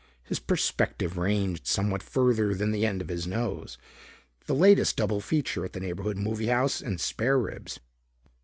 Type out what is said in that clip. His perspective ranged somewhat further than the end of his nose, the latest double feature at the neighborhood movie house, and spare ribs.